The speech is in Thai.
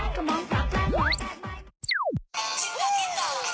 ขอเจอจุดงั้มแต่หมอม้วนกำลังกลับแล้วหมอม้วน